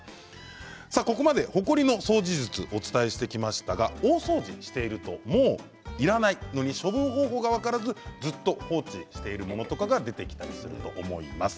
ここまでほこりの掃除術をお伝えしてきましたが大掃除をしているともういらないのに処分方法が分からず、ずっと放置しているものとかが出てきたりすると思います。